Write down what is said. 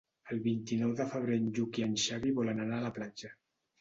El vint-i-nou de febrer en Lluc i en Xavi volen anar a la platja.